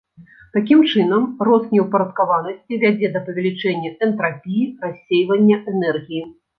Такім чынам, рост неўпарадкаванасці вядзе да павялічэння энтрапіі, рассейвання энергіі.